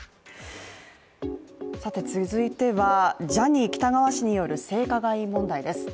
続いてはジャニー喜多川氏による性加害問題です。